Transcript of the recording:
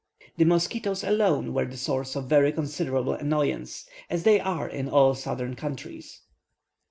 The mosquitoes alone were the source of very considerable annoyance, as they are in all southern countries.